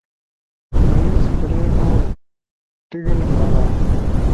پریس پلے موڈ ٹگل کارا